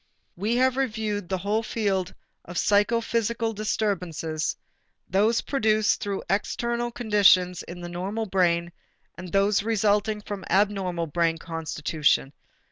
We have reviewed the whole field of psychophysical disturbances, those produced through external conditions in the normal brain and those resulting from abnormal brain constitution.